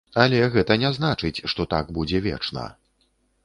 Але гэта не значыць, што так будзе вечна.